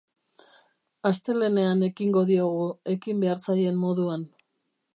Astelehenean ekingo diogu ekin behar zaien moduan.